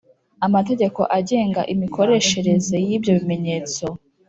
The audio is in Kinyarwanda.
Amategeko agenga imikoreshereze y’ibyo bimenyetso